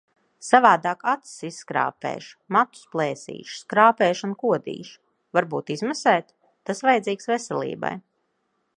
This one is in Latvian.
Savādāk acis izskrāpēšu, matus plēsīšu, skrāpēšu un kodīšu. Varbūt izmasēt? Tas vajadzīgs veselībai.